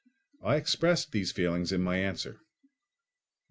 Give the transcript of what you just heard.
I expressed these feelings in my answer.